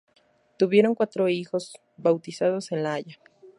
Tuvieron cuatro hijos, bautizados en La Haya.